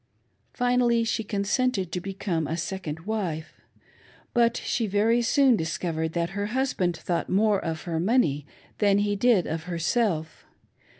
Finally she con sented to become a second wife ; but she very soon dis covered that her husband thought more of her money than he did of herself.